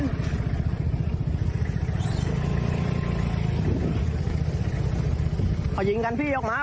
พวกมันต้องกินกันพี่ออกมา